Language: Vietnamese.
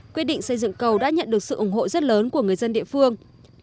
quyết định xây dựng cầu đã nhận được sự ủng hộ rất lớn của người dân địa phương